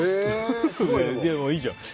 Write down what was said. でも、いいじゃん。